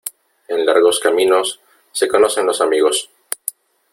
En largos caminos, se conocen los amigos.